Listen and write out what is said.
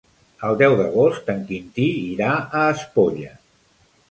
El deu d'agost en Quintí irà a Espolla.